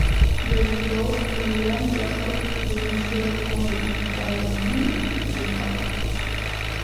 Debutó en el Gran Teatro del Liceo con el "Valentin" de Faust.